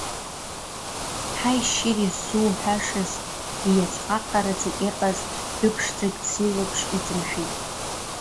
Ҳаи, шьыри ззуҳәашаз, ииаҵәҟаҟараӡа иҟаз дәыԥшӡак сылаԥш иҵамшәеит.